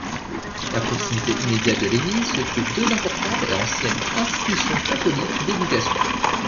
À proximité immédiate de l’église se trouvent deux importantes et anciennes institutions catholiques d’éducation.